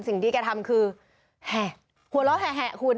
สิ่งที่แกทำคือแห่หัวเรา้แห่คุณ